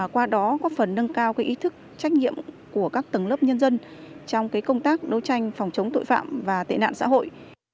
qua đó góp phần nâng cao ý thức trách nhiệm của các tầng lớp nhân dân trong công tác đấu tranh phòng chống tội phạm và tệ nạn xã hội